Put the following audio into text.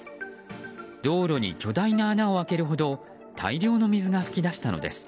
道路に巨大な穴を開けるほど大量に水が噴き出したのです。